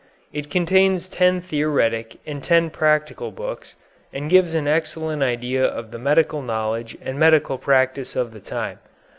It contains ten theoretic and ten practical books, and gives an excellent idea of the medical knowledge and medical practice of the time.